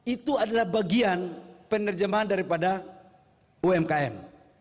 itu adalah bagian penerjemahan daripada umkm